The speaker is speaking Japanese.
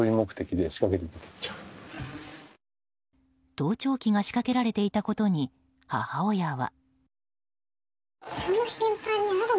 盗聴器が仕掛けられていたことに母親は。